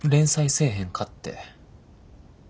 せえへんかって。